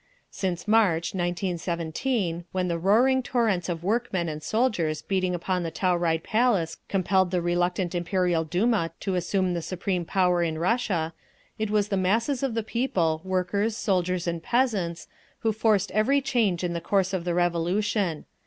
Since March, 1917, when the roaring torrents of workmen and soldiers beating upon the Tauride Palace compelled the reluctant Imperial Duma to assume the supreme power in Russia, it was the masses of the people, workers, soldiers and peasants, which forced every change in the course of the Revolution.